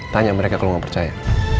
tanya mereka kalau nggak percaya